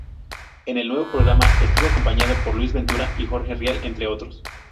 En el nuevo programa estuvo acompañado por Luis Ventura y Jorge Rial, entre otros.